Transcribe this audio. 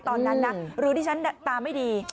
ตอนนั้นนะหรือดิฉันตาไม่ดี